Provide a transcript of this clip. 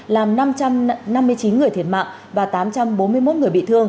làm năm trăm năm mươi chín người thiệt mạng và tám trăm bốn mươi một người